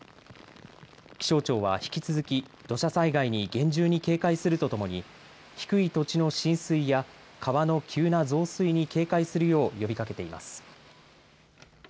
気象庁は引き続き土砂災害に厳重に警戒するとともに低い土地の浸水や川の急な増水に警戒するよう呼びかけています。